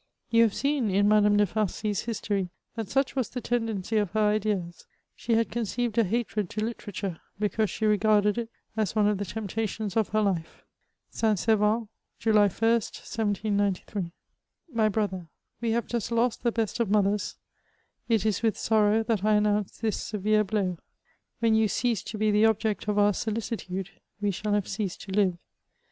You have seen in Madame de Farcy's history that such was the tendency of her ideas ; she had conceived a hatred to literature, because she regarded it as one of the temptations of her life. " St Servan, July Ist, 1793. " My brother, we have just lost the best of mothers ; it is with sorrow that I announce this severe blow. When you cease to be the object of our solicitude we shall have ceased to live.